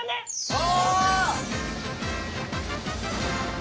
お！